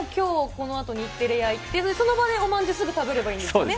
日テレ屋行って、その場でおまんじゅうすぐ食べればいいんですね。